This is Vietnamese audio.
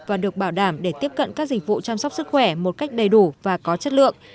và được bảo đảm để tiếp cận các dịch vụ chăm sóc sức khỏe một cách đầy đủ và có chất lượng